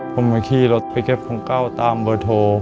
ผมมาขี้รถไปเก็บของก้าวตามบทโทร